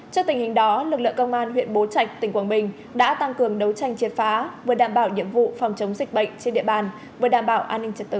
trước tình hình đó lực lượng công an huyện bố trạch tỉnh quảng bình đã tăng cường đấu tranh triệt phá vừa đảm bảo nhiệm vụ phòng chống dịch bệnh trên địa bàn vừa đảm bảo an ninh trật tự